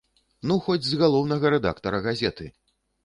Ну хоць з галоўнага рэдактара газеты!